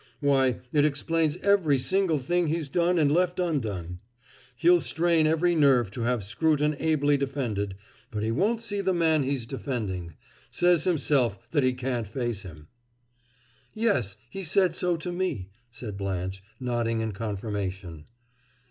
Why, it explains every single thing he's done and left undone. He'll strain every nerve to have Scruton ably defended, but he won't see the man he's defending; says himself that he can't face him!" "Yes. He said so to me," said Blanche, nodding in confirmation.